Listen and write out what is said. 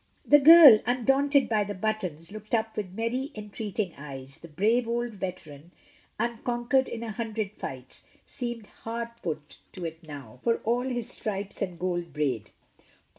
The girl, undaunted by the buttons, looked up with merry, entreating eyes, the brave old veteran, unconquered in a hundred fights, seemed hard put 94 MRS. DYMOND. to it now, for all his stripes and gold braid.